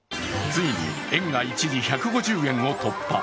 ついに円が一時、１５０円を突破。